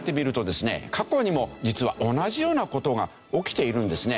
過去にも実は同じような事が起きているんですね。